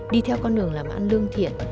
đi theo con đường làm ăn lương thiện